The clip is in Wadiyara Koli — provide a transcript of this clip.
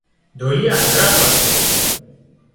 ڍوليا هڌرا ڀرتو